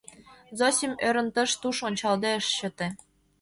Зосим, ӧрын, тыш-туш ончалде ыш чыте.